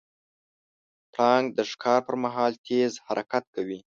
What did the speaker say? پړانګ د ښکار پر مهال تیز حرکت کوي.